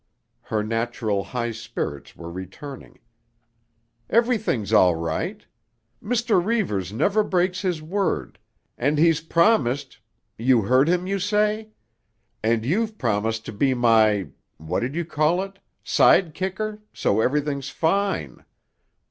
Her natural high spirits were returning. "Everything's all right. Mr. Reivers never breaks his word, and he's promised—you heard him, you say? And you've promised to be my—what did you call it?—'side kicker,' so everything's fine.